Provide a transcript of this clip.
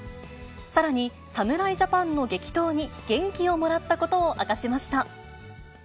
さらに、侍ジャパンの激闘に元気をもらったことを明かしました。